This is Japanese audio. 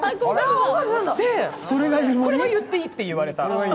これは言っていいって言われた。